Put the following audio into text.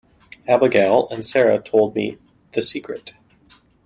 Abigail and Sara told me the secret.